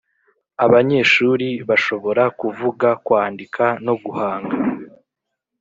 abanyeshuri bashobora kuvuga, kwandika no guhanga